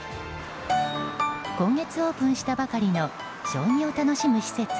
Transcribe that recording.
今月オープンしたばかりの将棋を楽しむ施設